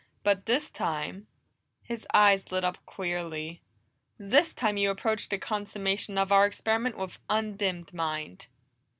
But this time" His eyes lit up queerly "this time you approach the consummation of our experiment with undimmed mind!"